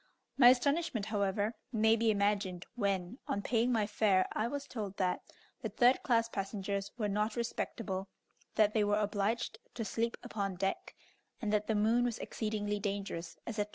My astonishment, however, may be imagined when, on paying my fare, I was told that the third class passengers were not respectable, that they were obliged to sleep upon deck, and that the moon was exceedingly dangerous, etc.